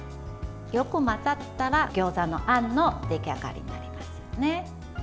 よく混ざったらギョーザのあんの出来上がりになりますね。